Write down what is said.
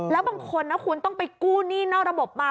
แล้วบางคนนะคุณต้องไปกู้หนี้นอกระบบมา